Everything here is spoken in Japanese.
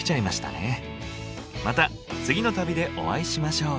また次の旅でお会いしましょう。